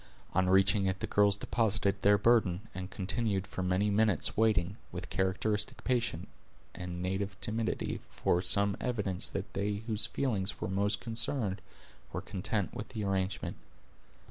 On reaching it the girls deposited their burden, and continued for many minutes waiting, with characteristic patience, and native timidity, for some evidence that they whose feelings were most concerned were content with the arrangement.